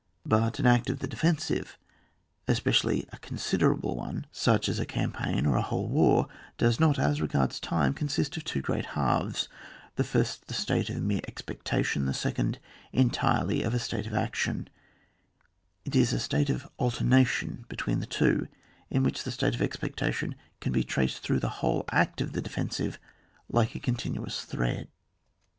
But an act of the defensive, especially a considerable one. 86 ON WAR. [book n. such as a campaign or a whole war, does not, as regards time, consist of two great halves, the first the state of mere expecta tion, the second entirely of a state of action; it is a state of alternation be tween the two, in which the state of expectation can be traced through the whole act of the defensive like a* con* tinuouB thread.